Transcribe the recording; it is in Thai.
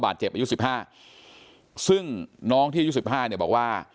เจ็บอายุสิบห้าซึ่งน้องที่อายุสิบห้าเนี่ยบอกว่า